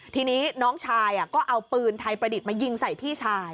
ทีนี้น้องชายก็เอาปืนไทยประดิษฐ์มายิงใส่พี่ชาย